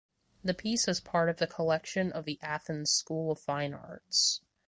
The piece is part of the collection of the Athens School of Fine Arts.